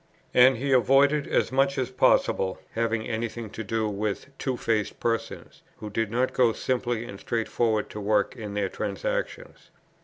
"And he avoided, as much as possible, having any thing to do with two faced persons, who did not go simply and straightforwardly to work in their transactions.